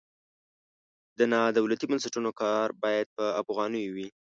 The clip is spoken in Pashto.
د نادولتي بنسټونو کار باید په افغانیو وي.